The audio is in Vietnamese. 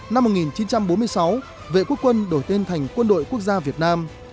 năm một nghìn chín trăm bốn mươi sáu vệ quốc quân đổi tên thành quân đội quốc gia việt nam